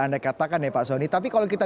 anda katakan ya pak soni tapi kalau kita